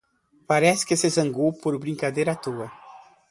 Parece que se zangou por uma brincadeira à toa